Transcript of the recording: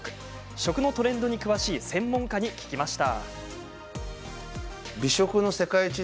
食のトレンドに詳しい専門家に聞きました。